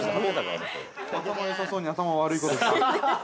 ◆頭よさそうに頭悪いこと言った。